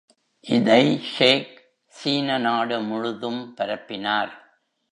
இதை ஷேக் சீன நாடு முழுதும் பரப்பினார்.